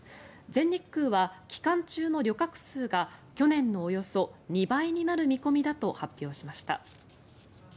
全日空は期間中の旅客数が去年のおよそ２倍になる見込みだと発表しました。